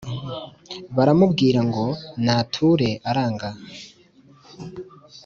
baramubwira ngo nature; aranga